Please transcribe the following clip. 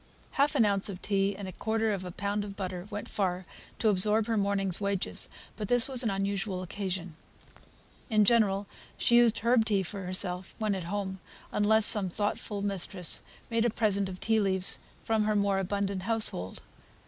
Half an ounce of tea and a quarter of a pound of butter went far to absorb her morning's wages; but this was an unusual occasion. In general, she used herb tea for herself, when at home, unless some thoughtful mistress made her a present of tea leaves from her more abundant household.